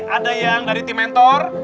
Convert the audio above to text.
ada yang dari tim mentor